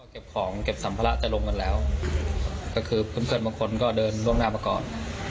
เก็บของเก็บสัมพละแต่ลงกันแล้วก็คือเพิ่มเกิดบางคนก็เดินร่วมหน้ามาก่อน